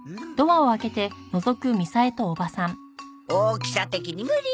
大きさ的に無理ね。